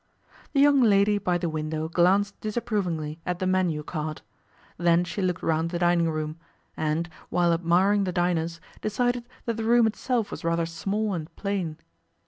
The young lady by the window glanced disapprovingly at the menu card. Then she looked round the dining room, and, while admiring the diners, decided that the room itself was rather small and plain.